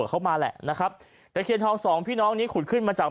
เขามาแหละนะครับตะเคียนทองสองพี่น้องนี้ขุดขึ้นมาจาก